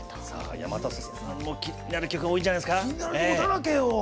山里さん、気になる曲多いんじゃないですか。